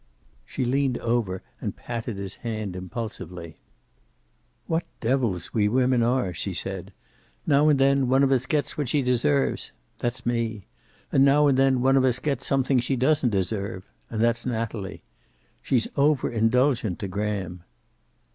She leaned over and patted his hand impulsively. "What devils we women are!" she said. "Now and then one of us gets what she deserves. That's me. And now and then one of us get's something she doesn't deserve. And that's Natalie. She's over indulgent to Graham."